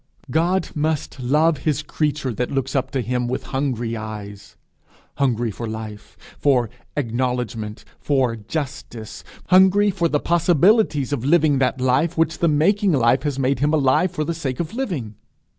God must love his creature that looks up to him with hungry eyes hungry for life, for acknowledgment, for justice, for the possibilities of living that life which the making life has made him alive for the sake of living.